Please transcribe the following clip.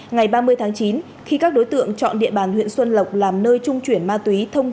ngày ba mươi tháng chín khi các đối tượng chọn địa bàn huyện xuân lộc làm nơi trung chuyển ma túy thông